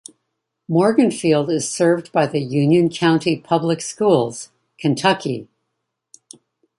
Morganfield is served by the Union County Public Schools, Kentucky.